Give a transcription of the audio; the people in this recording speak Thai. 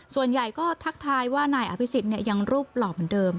ส่วนใหญ่ก็ทักทายว่านายอภิษฎยังรูปหล่อเหมือนเดิม